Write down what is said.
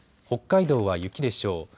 北海道は雪でしょう。